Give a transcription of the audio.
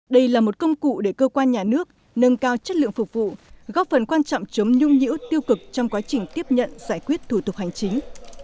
đây là một công cụ để cơ quan nhà nước nâng cao chất lượng phục vụ góp phần quan trọng chống nhung nhữ tiêu cực trong quá trình tiếp nhận giải quyết thủ tục hành chính